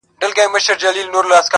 o چي قاضي ته چا ورکړئ دا فرمان دی,